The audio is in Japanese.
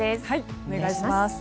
お願いします。